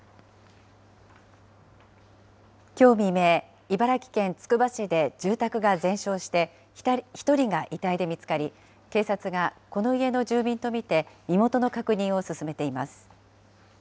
きょう未明、茨城県つくば市で住宅が全焼して１人が遺体で見つかり、警察がこの家の住民と見て身元の確認を進めています。